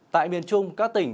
tại miền trung các tỉnh